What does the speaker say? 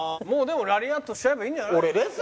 もうでもラリアットしちゃえばいいんじゃないの？